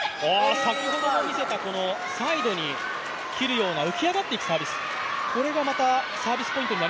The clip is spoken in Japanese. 先ほども見せたサイドに切るような浮き上がっていくようなサービス。